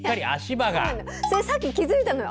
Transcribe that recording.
それさっき気付いたのよ